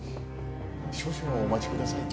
少々お待ちください。